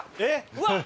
うわっ！